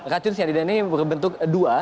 racun cyanida ini berbentuk dua